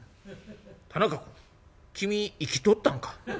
「田中君君生きとったんか。